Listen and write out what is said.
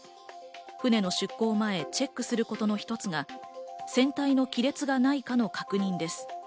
船の出港前チェックすることの一つが、船体の亀裂がないかの確認です。